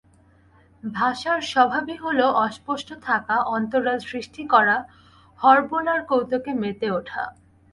ভাষার স্বভাবই হলো অস্পষ্ট থাকা, অন্তরাল সৃষ্টি করা, হরবোলার কৌতুকে মেতে ওঠা।